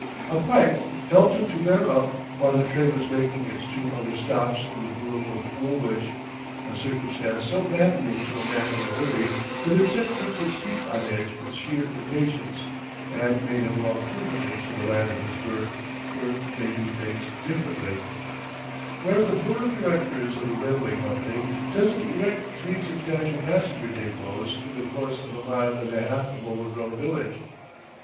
A pipe helped him to bear up while the train was making its two other stops in the Borough of Woolwich: a circumstance so maddening to a man in a hurry, that it set Kirkwood's teeth on edge with sheer impatience, and made him long fervently for the land of his birth, where they do things differently where the Board of Directors of a railway company doesn't erect three substantial passenger depôts in the course of a mile and a half of overgrown village.